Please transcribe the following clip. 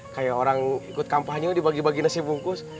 kayak orang ikut kampanye dibagi bagi nasi bungkus